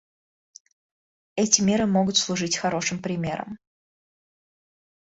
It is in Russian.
Эти меры могут служить хорошим примером.